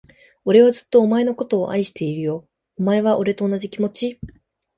俺はずっと、お前のことを愛してるよ。お前は、俺と同じ気持ち？